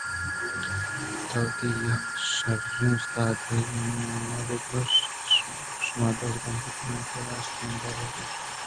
وتی یک شریں اُستادے ءِ نام ءَ بہ گْوش اِت۔ گوں شما دزبندی کن آں کہ راستیں ھبر ءَ بہ گْوش اِت، ھچ دْروگ مہ گْوش اِت